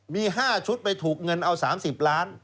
มี๕ชุดไปถูกเงินเอา๓๐ล้าน